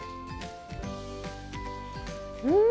うん！